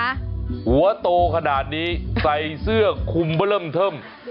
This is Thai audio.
หัวโตขนาดนี้ใส่เสื้อคุมล่มท่ม